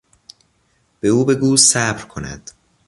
به او بگو صبر کند.